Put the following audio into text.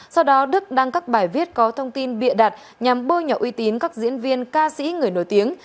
sau đó đức đăng các bài viết có thông tin bịa đặt nhằm bôi nhọ uy tín các diễn viên ca sĩ người nổi tiếng